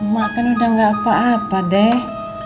mak kan udah enggak apa apa deh